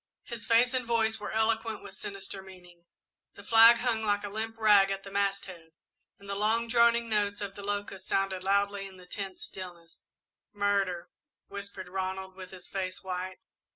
His face and voice were eloquent with sinister meaning. The flag hung like a limp rag at the masthead and the long droning notes of the locusts sounded loudly in the tense stillness. "Murder," whispered Ronald, with his face white.